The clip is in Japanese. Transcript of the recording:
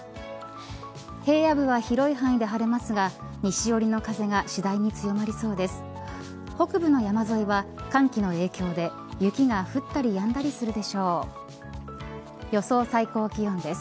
平野部は広い範囲で晴れますが西よりの風が次第に強まりそうです。